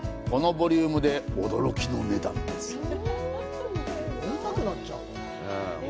このボリュームで驚きの値段です。